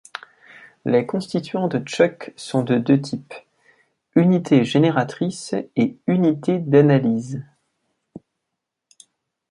Les constituants de Chuck sont de deux types: unités génératrices et unités d'analyse.